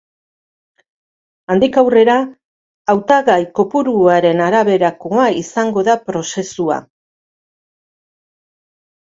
Handik aurrera, hautagai kopuruaren araberakoa izango da prozesua.